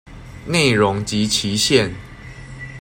內容及期限